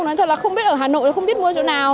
nói thật là không biết ở hà nội thì không biết mua chỗ nào